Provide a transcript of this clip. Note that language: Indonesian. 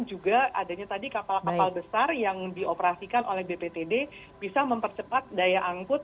juga adanya tadi kapal kapal besar yang dioperasikan oleh bptd bisa mempercepat daya angkut